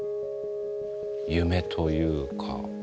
夢というか。